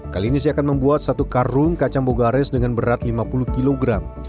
kali ini saya akan membuat satu karung kacang bogares dengan berat lima puluh kg